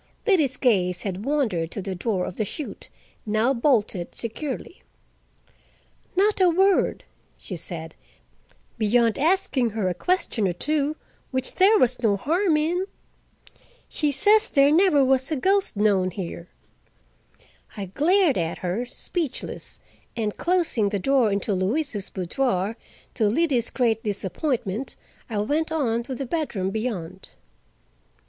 Liddy's gaze had wandered to the door of the chute, now bolted securely. "Not a word," she said, "beyond asking her a question or two, which there was no harm in. She says there never was a ghost known here." I glared at her, speechless, and closing the door into Louise's boudoir, to Liddy's great disappointment, I went on to the bedroom beyond.